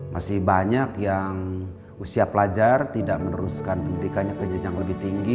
masih banyak yang usia pelajar tidak meneruskan pendidikannya ke jenjang lebih tinggi